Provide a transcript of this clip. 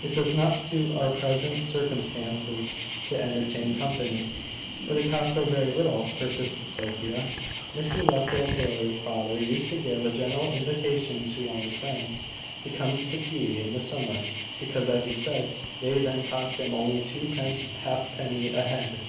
It does not suit our present circumstances to entertain company." "But it costs so very little!" persisted Sophia. "Mr Russell Taylor's father used to give a general invitation to all his friends to come to tea in the summer, because, as he said, they then cost him only twopence halfpenny a head."